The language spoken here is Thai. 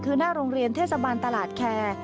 คือหน้าโรงเรียนเทศบาลตลาดแคร์